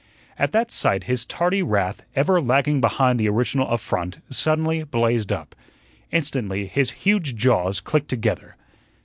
At that sight his tardy wrath, ever lagging behind the original affront, suddenly blazed up. Instantly his huge jaws clicked together.